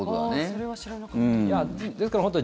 それは知らなかった。